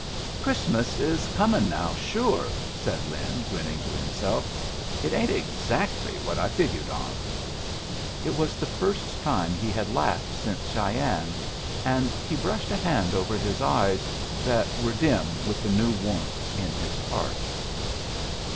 "Christmas is comin' now, sure," said Lin, grinning to himself. "It ain't exactly what I figured on." It was the first time he had laughed since Cheyenne, and he brushed a hand over his eyes, that were dim with the new warmth in his heart.